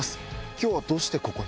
今日はどうしてここに？